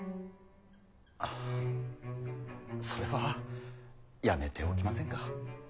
あそれはやめておきませんか。